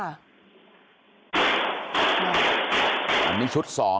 อันนี้ชุด๒